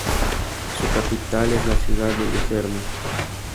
Su capital es la ciudad de Lucerna.